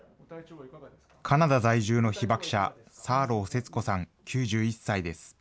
カナダ在住の被爆者、サーロー節子さん９１歳です。